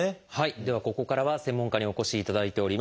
ではここからは専門家にお越しいただいております。